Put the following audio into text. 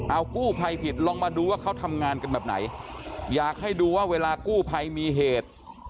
เอากู้ภัยผิดลองมาดูว่าเขาทำงานกันแบบไหนอยากให้ดูว่าเวลากู้ภัยมีเหตุ